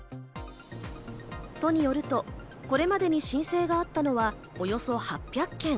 都によると、これまでに申請があったのはおよそ８００件。